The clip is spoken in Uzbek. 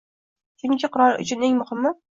Chunki qirol uchun eng muhimi —